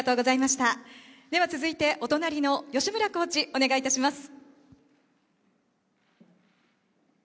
続いて、お隣の吉村コーチ、お願いいたします。